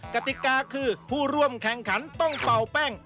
กติกาคือผู้ร่วมแข่งขันต้องเป่าแป้ง